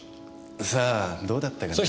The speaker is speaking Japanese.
さあどうだったかな。